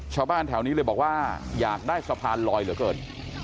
ชาวบ้านแถวนี้เลยบอกว่าอยากได้สะพานลอยเหลือเกิน